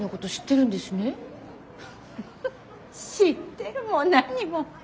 フフッ知ってるも何も。